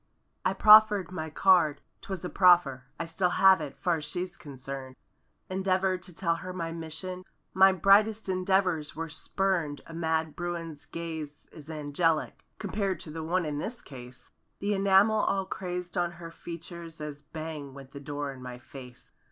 I proffered my card—twas a proffer— I still have it; far's she's concerned; Endeavored to tell her my mission— My brightest endeavors were spurned A mad bruin's gaze is angelic. Compared to the one in this case. The enamel all crazed on her features As bang went the door in my face.